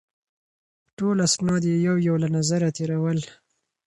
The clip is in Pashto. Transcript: ټول اسناد یې یو یو له نظره تېرول.